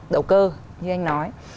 đầu cơ như anh nói